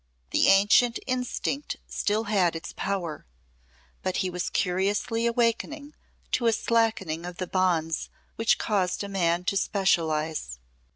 The ancient instinct still had its power, but he was curiously awakening to a slackening of the bonds which caused a man to specialise.